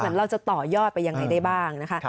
เราจะต่อยอดไปยังไงได้บ้างนะคะ